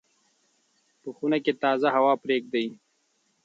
په خونه کې تازه هوا پرېږدئ.